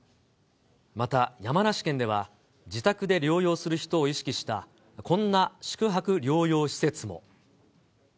また、山梨県では、自宅で療養する人を意識した、こんな宿泊療養施設も。